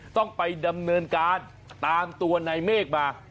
ต้องไปดำเนินการตามตัวนายเมฆมา